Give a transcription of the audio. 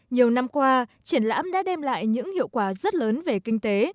nhiều năm qua triển lãm đã đem lại những hiệu quả rất lớn về kinh tế